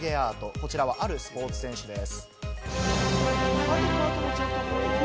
こちらは、あるスポーツ選手です。